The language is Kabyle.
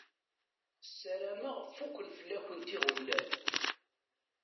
Sarameɣ fukken fell-akent iɣeblan.